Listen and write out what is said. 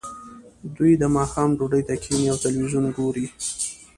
دوی د ماښام ډوډۍ ته کیښني او تلویزیون ګوري